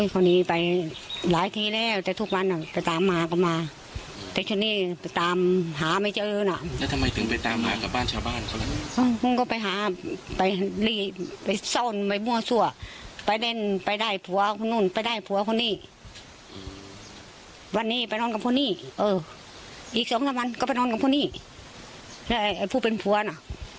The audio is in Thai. ก็ไปนอนกับพวกนี้พูดเป็นผัวนะ